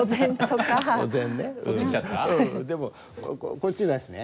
こっちなしね。